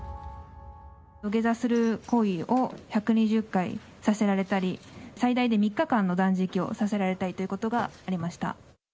土下座する行為を１２０回させられたり、最大で３日間の断食をさせられたりということがありました。